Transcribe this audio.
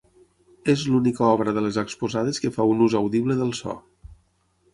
És l’única obra de les exposades que fa un ús audible del so.